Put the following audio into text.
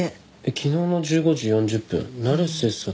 昨日の１５時４０分「成瀬聡美」。